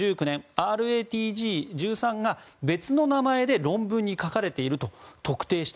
ＲａＴＧ１３が別の名前で論文に書かれていると特定した。